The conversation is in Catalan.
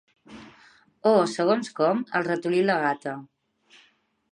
O, segons com, el ratolí i la gata.